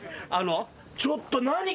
ちょっと何これ。